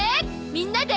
みんなで？